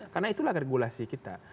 karena itulah regulasi kita